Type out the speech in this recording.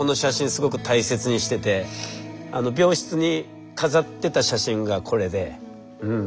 すごく大切にしてて病室に飾ってた写真がこれでうん。